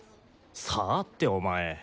さあってお前。